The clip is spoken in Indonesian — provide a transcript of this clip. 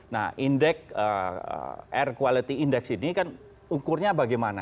nah indeks air quality index ini kan ukurnya bagaimana